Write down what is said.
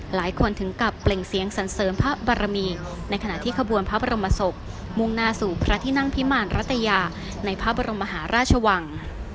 หลายคนถึงกับเปล่งเสียงสันเสริมพระบรมีในขณะที่ขบวนพระบรมศพมุ่งหน้าสู่พระที่นั่งพิมารรัตยาในพระบรมมหาราชวัง